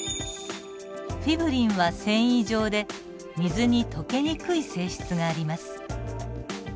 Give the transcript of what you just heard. フィブリンは線維状で水に溶けにくい性質があります。